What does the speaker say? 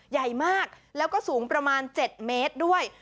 ใหญ่มากแล้วก็สูงประมาณ๗เมตรด้วย